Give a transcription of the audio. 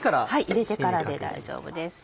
入れてからで大丈夫です。